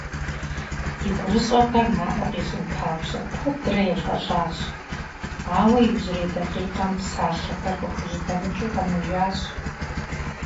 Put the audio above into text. И гурыщӀэхэр наӏуэ къищӏын папщӏэ куэдрэ елӏэлӏащ, ауэ иужьрей дакъикъэм псалъэхэр къыхужьэдэмыкӏыу къэнэжащ.